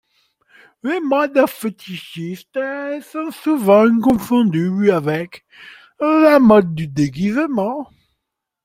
Les modes fétichistes sont souvent confondues avec la mode du déguisement.